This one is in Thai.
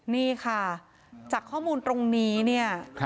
นี่ค่ะจากข้อมูลตรงนี้